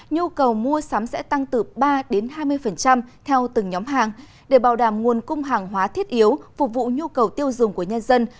nhu cầu mua sắm sẽ tăng từ ba hai mươi theo từng nhóm hàng để bảo đảm nguồn cung hàng hóa thiết yếu phục vụ nhu cầu tiêu dùng của nhân dân